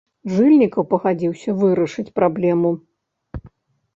Жыльнікаў пагадзіўся вырашыць праблему.